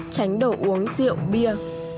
tránh đồ uống rượu bia